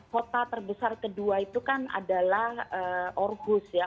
kota terbesar kedua itu kan adalah orhus ya